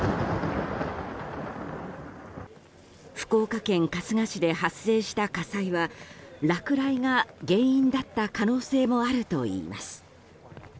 福岡県春日市で発生した火災は落雷が原因だった可能性もあるといいます。